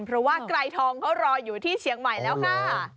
เพราะว่าไกรทองเขารออยู่ที่เชียงใหม่แล้วค่ะ